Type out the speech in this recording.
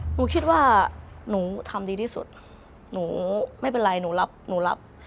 หนูคิดว่าหนูทำดีที่สุดหนูไม่เป็นไรหนูรับหนูรับ